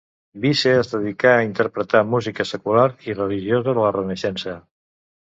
Visse es dedica a interpretar música secular i religiosa de la Renaixença.